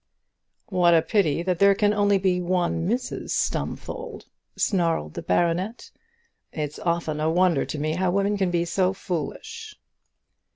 "What a pity that there can be only one Mrs Stumfold," snarled the baronet; "it's often a wonder to me how women can be so foolish."